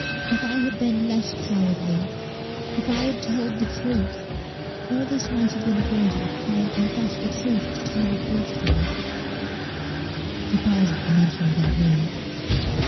"If I had been less cowardly if I had told the truth all this might have been avoided if I had confessed the truth to Talbot Bulstrode." She paused at the mention of that name.